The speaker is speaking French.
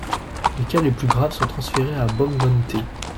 Les cas les plus graves sont transférés à Bangangté.